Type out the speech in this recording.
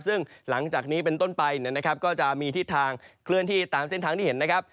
ซึ่งหลังจากนี้เป็นต้นไปนะครับก็จะมีทิศทางเคลื่อนที่ตามเส้นทางที่เห็นนะครับ